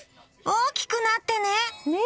大きくなってね！